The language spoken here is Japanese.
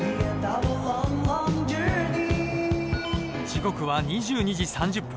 時刻は２２時３０分。